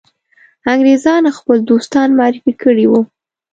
انګرېزان خپل دوستان معرفي کړي وه.